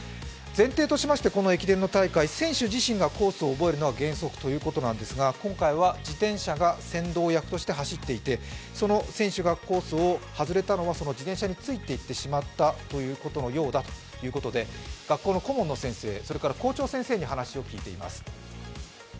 前提としましてこの駅伝の大会、選手自身がコースを覚えるのが原則ということなんですが、今回は自転車が先導役として走っていてその選手がコースを外れたのは、その自転車についていってしまったということのようで学校の顧問の先生、校長先生に話を聴いています。